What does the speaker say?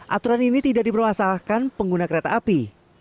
aturan ini tidak dipermasalahkan pengguna kereta api